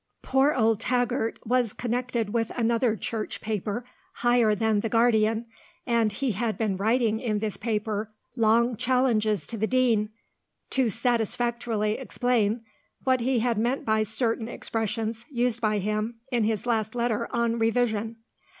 Poor old Taggert was connected with another Church paper, higher than the Guardian, and he had been writing in this paper long challenges to the Dean "to satisfactorily explain" what he had meant by certain expressions used by him in his last letter on Revision.